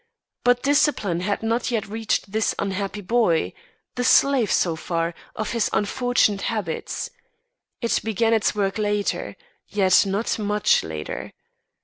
But discipline had not yet reached this unhappy boy the slave, so far, of his unfortunate habits. It began its work later; yet not much later.